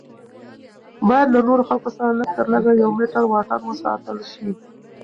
باید له نورو خلکو سره لږ تر لږه یو میټر واټن وساتل شي.